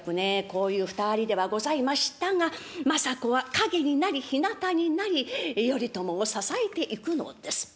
こういう２人ではございましたが政子は陰になりひなたになり頼朝を支えていくのです。